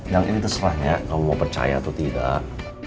yang ini terserah ya kamu mau percaya atau tidak